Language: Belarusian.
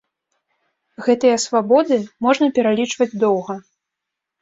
Гэтыя свабоды можна пералічваць доўга.